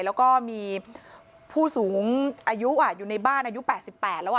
แล้วก็มีผู้สูงอายุอยู่ในบ้านอายุ๘๘แล้ว